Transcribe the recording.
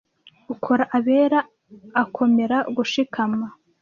ukora abera akomera gushikama